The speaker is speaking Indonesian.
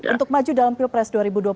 untuk maju dalam pilpres dua ribu dua puluh